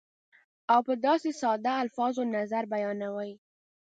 او په داسې ساده الفاظو نظر بیانوي